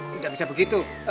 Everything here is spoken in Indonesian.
gak bisa begitu